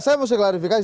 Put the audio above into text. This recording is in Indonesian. saya mau klarifikasi